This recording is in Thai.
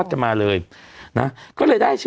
สวัสดีครับคุณผู้ชม